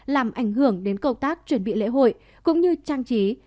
làm ảnh hưởng đến công tác chuẩn bị lễ hội cũng như trang trí